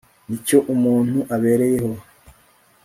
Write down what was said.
ni cyo umuntu abereyeho